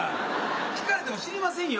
聞かれても知りませんよ。